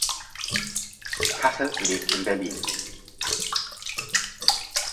Kachel lebt in Berlin.